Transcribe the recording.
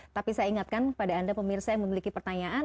tapi saya ingatkan pada anda pemirsa yang memiliki pertanyaan